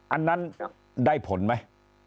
อันนั้นได้ผลไหม